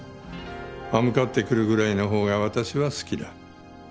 歯向かってくるぐらいのほうが私は好きだ。